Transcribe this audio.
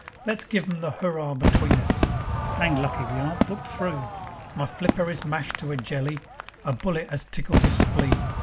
Let's give 'em the hoorah between us ('Anged lucky we aren't booked through). My flipper is mashed to a jelly. A bullet 'as tickled your spleen.